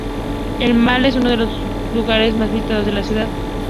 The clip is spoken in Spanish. El Mall es uno de los lugares más visitados de la ciudad.